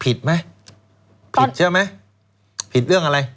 พิษไหมพิษใช่ไหมพิษเรื่องอะไร